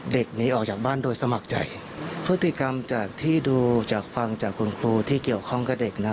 หนีออกจากบ้านโดยสมัครใจพฤติกรรมจากที่ดูจากฟังจากคุณครูที่เกี่ยวข้องกับเด็กนะ